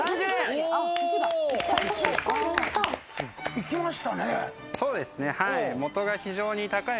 行きましたね。